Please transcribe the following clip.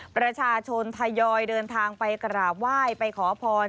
ประชาชนทยอยเดินทางไปกราบไหว้ไปขอพร